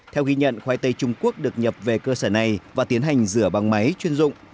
theo ghi nhận khoai tây trung quốc được nhập về cơ sở này và tiến hành rửa bằng máy chuyên dụng